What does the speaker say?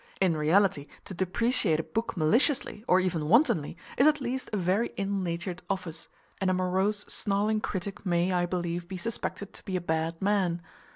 In reality, to depreciate a book maliciously, or even wantonly, is at least a very ill natured office; and a morose snarling critic may, I believe, be suspected to be a bad man.